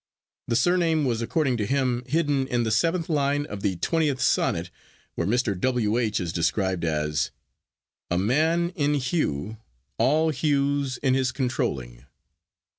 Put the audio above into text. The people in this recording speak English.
the surname was, according to him, hidden in the seventh line of the 20th Sonnet, where Mr. W. H. is described as— A man in hew, all Hews in his controwling.